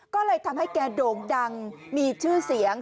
ก็เลยทำให้แกโด่งดังมีชื่อเสียง